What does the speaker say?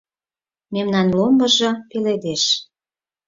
Мемнан ломбыжо пеледеш.